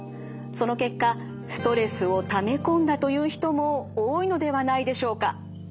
その結果ストレスをためこんだという人も多いのではないでしょうか。